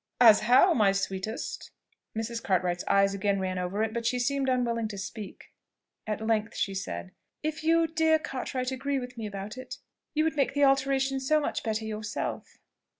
"As how, my sweetest?" Mrs. Cartwright's eye again ran over it, but she seemed unwilling to speak: at length she said, "If you, dear Cartwright, agree with me about it, you would make the alteration so much better yourself!"